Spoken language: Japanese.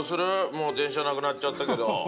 もう電車なくなっちゃったけど。